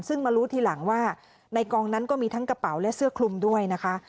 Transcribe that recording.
ซึ่งมารู้ทีหลังว่าในกองนั้นก็มีทั้งกระเป๋าและเสื้อคลุมด้วยนะคะ